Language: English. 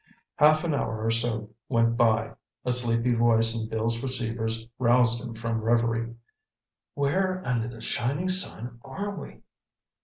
Half an hour or so went by. A sleepy voice in Bill's receivers roused him from revery. "Where under the shining sun are we?"